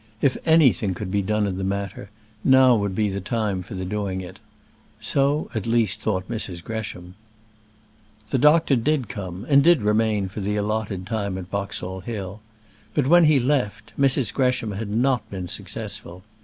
If anything could be done in the matter, now would be the time for doing it. So at least thought Mrs. Gresham. The doctor did come, and did remain for the allotted time at Boxall Hill; but when he left, Mrs. Gresham had not been successful.